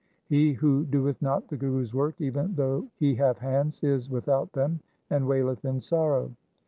He who doeth not the Guru's work, even though he have hands, is without them, and waileth in sorrow.